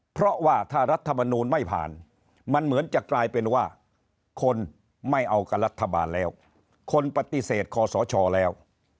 เพราะว่าถ้ารัฐมนูลไม่ผ่านมันเหมือนจะกลายเป็นว่าคนไม่เอากับรัฐบาลแล้วคนปฏิเสธคอสชแล้ว